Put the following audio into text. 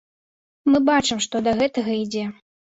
Мы бачым, што да гэтага ідзе.